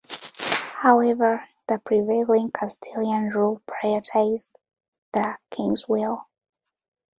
However, the prevailing Castilian rule prioritized the king's will.